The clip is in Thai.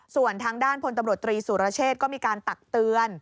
ส่วนทางด้านพตศุรเชษก็มีการตักเตือน